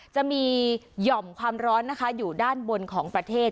จะมีหย่อมความร้อนนะคะอยู่ด้านบนของประเทศ